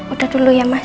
udah dulu ya mas